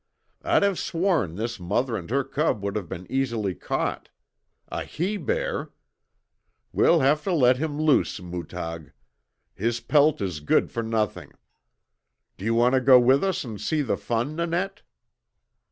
"I'd have sworn this mother and her cub would have been easily caught. A he bear! We'll have to let him loose, Mootag. His pelt is good for nothing. Do you want to go with us and see the fun, Nanette?"